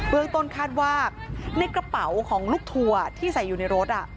เรื่องต้นคาดว่าในกระเป๋าของลูกทัวร์ที่ใส่อยู่ในรถ